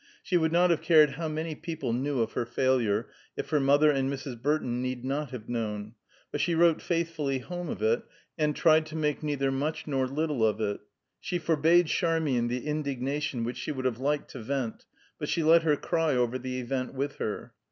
She would not have cared how many people knew of her failure, if her mother and Mrs. Burton need not have known; but she wrote faithfully home of it, and tried to make neither much nor little of it. She forbade Charmian the indignation which she would have liked to vent, but she let her cry over the event with her.